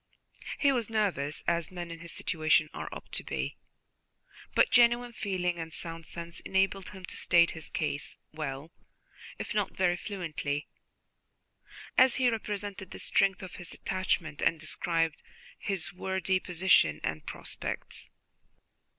He was nervous, as men in his situation are apt to be, but genuine feeling and sound sense enabled him to state his case well, if not very fluently, as he represented the strength of his attachment and described his worldly position and prospects.